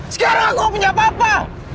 sekarang aku punya papa